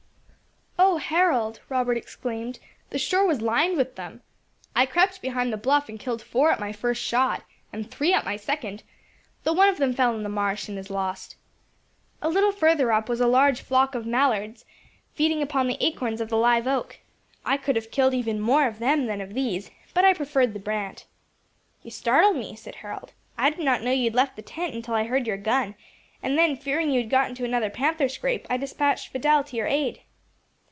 "O Harold!" Robert exclaimed, "the shore was lined with them. I crept behind the bluff and killed four at my first shot, and three at my second, though one of them fell in the marsh and is lost. A little further up was a large flock of mallards, feeding upon the acorns of the live oak. I could have killed even more of them than of these, but I preferred the brant." "You startled me," said Harold; "I did not know you had left the tent until I heard your gun, and then fearing you had got into another panther scrape, I dispatched Fidelle to your aid."